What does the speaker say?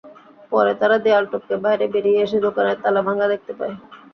পরে তারা দেয়াল টপকে বাইরে বেরিয়ে এসে দোকানের তালা ভাঙা দেখতে পায়।